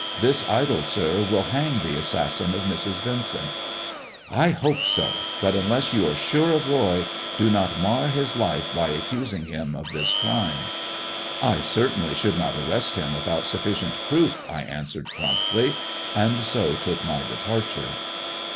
This idol, sir, will hang the assassin of Mrs. Vincent !"" I hope so ; but, unless you are sure of Boy, do not mar his life by accusing him of this crime." "I certainly should not arrest him without sufficient proof," I answered promptly, and so took my departure.